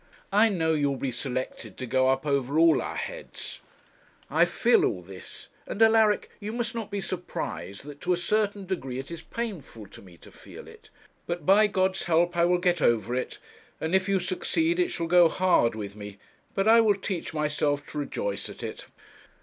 I know you will be selected to go up over all our heads. I feel all this; and Alaric, you must not be surprised that, to a certain degree, it is painful to me to feel it. But, by God's help I will get over it; and if you succeed it shall go hard with me, but I will teach myself to rejoice at it.